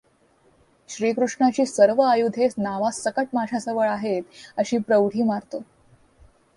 श्रीकृष्णाची सर्व आयुधे नावासकट माझ्याजवळ आहेत, अशी प्रोढी मारतो.